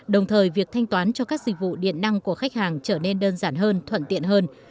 đồng thời việc thanh toán cho các dịch vụ điện năng của khách hàng trở nên đơn giản hơn thuận tiện hơn